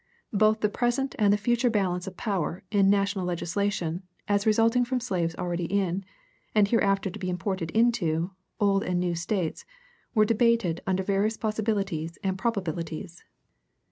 Both the present and the future balance of power in national legislation, as resulting from slaves already in, and hereafter to be imported into, old and new States, were debated under various possibilities and probabilities.